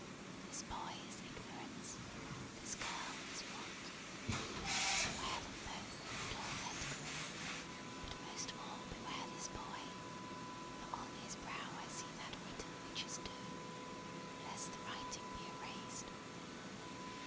This boy is Ignorance. This girl is Want. Beware them both, and all of their degree, but most of all beware this boy, for on his brow I see that written which is Doom, unless the writing be erased.